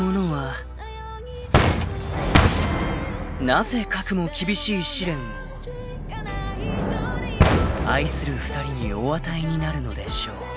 ［なぜかくも厳しい試練を愛する２人にお与えになるのでしょう？］